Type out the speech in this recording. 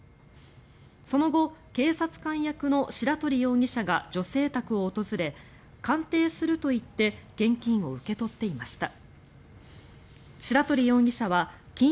その後、警察官役の白鳥容疑者が女性宅を訪れ、鑑定すると言って現金を受け取っていました。